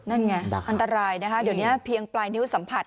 นั่นไงอันตรายนะคะเดี๋ยวนี้เพียงปลายนิ้วสัมผัส